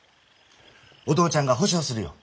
お父ちゃんが保証するよ。